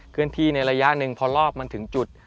เคลื่อนที่ในระยะหนึ่งพอรอบมันถึงจุด